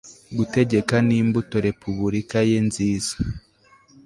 Gutegeka nimbuto Repubulika ye nziza